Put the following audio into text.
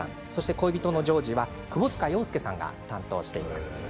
恋人のジョージは窪塚洋介さんが担当しています。